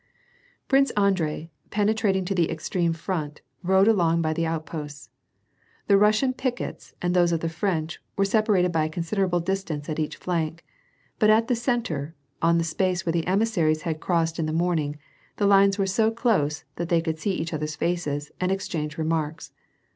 Prince Andrei, penetrating to the extreme front, rode along by the outposts. The Russian pickets and those of the French were separated by a considerable distance at each flank, but at the centre, on that space where the emissaries had crossed in the morning, the lines were so close that they could see each other's faces, and exchange remarks.